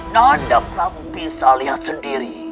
nah anda pun bisa lihat sendiri